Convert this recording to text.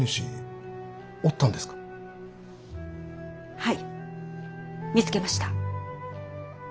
はい見つけました。